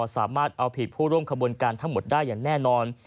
สามารถเอาผิดผู้ร่วมขบวนการทั้งหมดได้อย่างแน่นอน